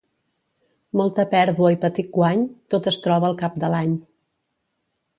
Molta pèrdua i petit guany, tot es troba al cap de l'any.